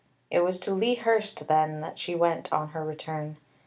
It was to Lea Hurst, then, that she went on her return.